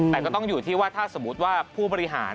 แต่ก็ต้องอยู่ที่ว่าถ้าสมมุติว่าผู้บริหาร